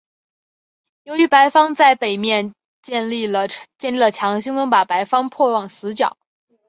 由于白方在北面建立了墙轻松把白方迫往死角。